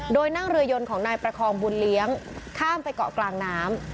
โดยนั่งเรือยนของนายประคองบุญเลี้ยงข้ามไปเกาะกลางน้ำ